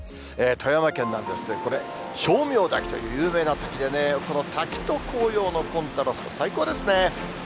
富山県なんですけど、これ、称名滝という有名な滝でね、この滝と紅葉のコントラスト、最高ですね。